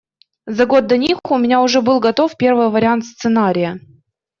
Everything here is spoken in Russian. За год до них у меня уже был готов первый вариант сценария.